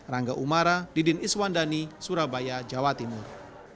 rangga umara didin iswandani surabaya jawa timur